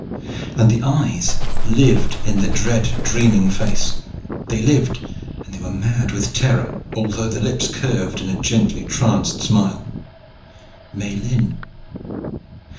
And the eyes lived in the dead dreaming face. They lived, and they were mad with terror although the lips curved in a gently tranced smile. Miellyn.